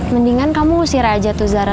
mendingan kamu usir aja tuh zara